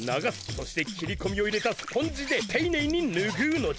そして切り込みを入れたスポンジでていねいにぬぐうのじゃ。